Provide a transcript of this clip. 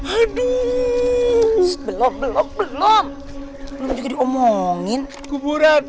aduh belum belum belum belum juga diomongin kuburan